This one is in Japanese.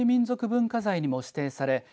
文化財にも指定され